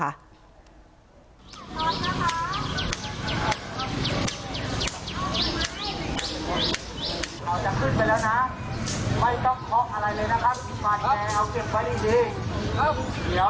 เราจะขึ้นไปแล้วน่ะไม่ต้องเคาะอะไรเลยนะคะ